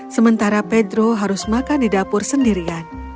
sementara pedro harus makan di dapur sendirian